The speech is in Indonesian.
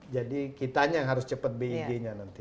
jadi kitanya yang harus cepat beg nya nanti